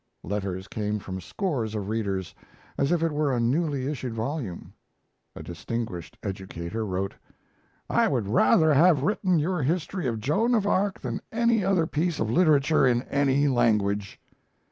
Letters came from scores of readers, as if it were a newly issued volume. A distinguished educator wrote: I would rather have written your history of Joan of Arc than any other piece of literature in any language.